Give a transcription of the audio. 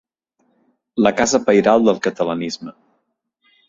La casa pairal del catalanisme.